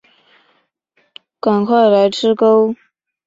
赶快来吃钩